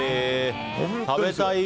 食べたい！